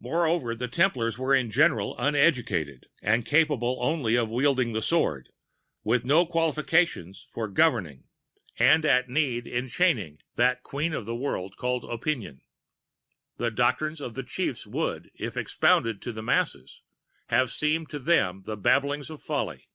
Moreover, the Templars were in general uneducated, and capable only of wielding the sword, with no qualifications for governing, and at need enchaining, that queen of the world called Opinion." [The doctrines of the Chiefs would, if expounded to the masses, have seemed to them the babblings of folly.